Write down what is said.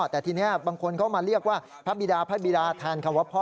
แต่ทีนี้บางคนเขามาเรียกว่าพระบิดาพระบิดาแทนคำว่าพ่อ